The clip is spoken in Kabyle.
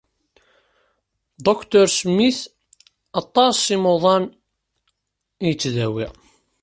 Dr Smith aṭas imuḍan i yettdawi.